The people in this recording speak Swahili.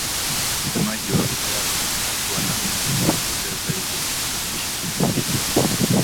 msemaji wa wizara hiyo hakuwa na mengi ya kuelezea zaidi ya kuthibitisha vifo hivyo